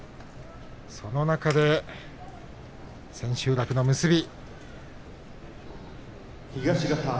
その中で千秋楽の結び。